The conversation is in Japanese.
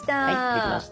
できました。